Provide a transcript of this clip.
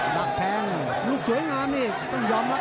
ดักแทงลูกสวยงามนี่ต้องยอมรับ